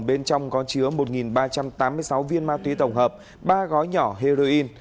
bên trong có chứa một ba trăm tám mươi sáu viên ma túy tổng hợp ba gói nhỏ heroin